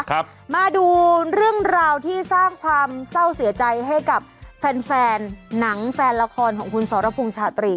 มาดูเรื่องราวที่สร้างความเศร้าเสียใจให้กับแฟนแฟนหนังแฟนละครของคุณสรพงษ์ชาตรี